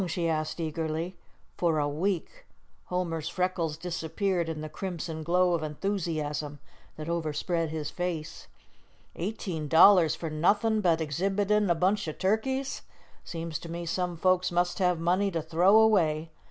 she asked eagerly. "For a week." Homer's freckles disappeared in the crimson glow of enthusiasm that overspread his face. "Eighteen dollars for nothin' but exhibitin' a bunch o' turkeys! Seems to me some folks must have money to throw away."